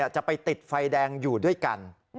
จะไปติดไฟแดงอยู่ด้วยกัน